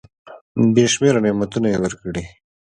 بي شمیره نعمتونه یې ورکړي .